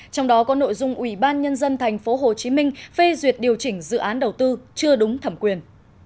trong đó có nội dung ủy ban nhân dân tp hcm phê duyệt điều chỉnh dự án đầu tư chưa đúng thẩm quyền